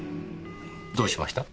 どうしました？